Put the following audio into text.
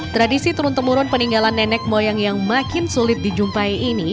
tradisi turun temurun peninggalan nenek moyang yang makin sulit dijumpai ini